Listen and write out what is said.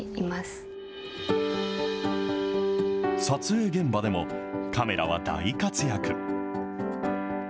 撮影現場でも、カメラは大活躍。